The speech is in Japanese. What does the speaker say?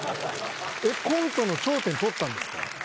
えっコントの頂点取ったんですか？